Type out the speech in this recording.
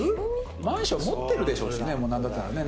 マンション持ってるでしょうしね何だったら何本かね。